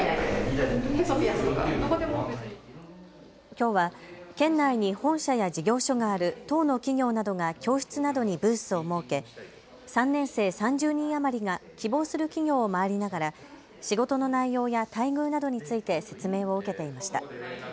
きょうは県内に本社や事業所がある１０の企業などが教室などにブースを設け３年生３０人余りが希望する企業を回りながら仕事の内容や待遇などについて説明を受けていました。